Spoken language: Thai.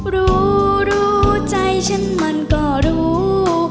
รู้รู้ใจฉันมันก็รู้